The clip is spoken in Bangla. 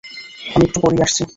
আমি একটু পরেই আসছি।